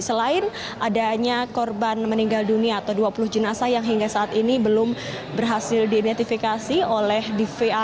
selain adanya korban meninggal dunia atau dua puluh jenazah yang hingga saat ini belum berhasil diidentifikasi oleh dvr